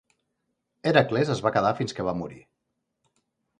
Hèracles es va quedar fins que va morir.